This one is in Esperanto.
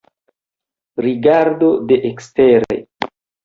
Rigardo de ekstere.